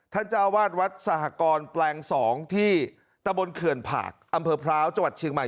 เจ้าวาดวัดสหกรแปลง๒ที่ตะบนเขื่อนผากอำเภอพร้าวจังหวัดเชียงใหม่